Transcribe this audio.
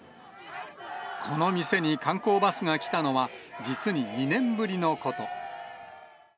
この店に観光バスが来たのは、実に２年ぶりのこと。